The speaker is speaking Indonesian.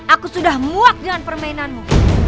aku sudah muak dengan permainanmu